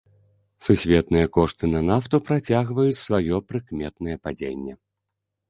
Сусветныя кошты на нафту працягваюць сваё прыкметнае падзенне.